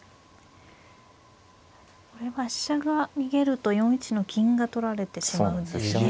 これは飛車が逃げると４一の金が取られてしまうんですね。